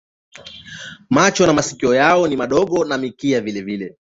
Macho na masikio yao ni madogo na mkia vilevile.